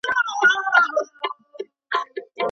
که ته غواړې ویډیو په انټرنیټ کي خپره کړي نو لومړی یې وګوره.